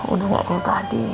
udah gak kayak tadi